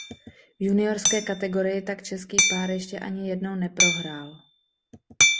V juniorské kategorii tak český pár ještě ani jednou neprohrál.